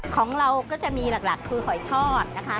ของเราก็จะมีหลักคือหอยทอดนะคะ